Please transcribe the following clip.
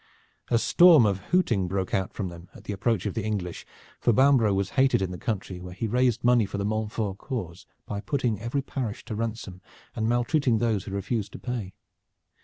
A storm of hooting broke out from them at the approach of the English, for Bambro' was hated in the country where he raised money for the Montfort cause by putting every parish to ransom and maltreating those who refused to pay.